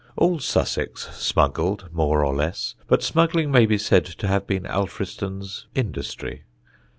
All Sussex smuggled more or less; but smuggling may be said to have been Alfriston's industry.